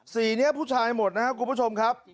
สีนี้ผู้ชายหมดนะครับคุณผู้ชมครับ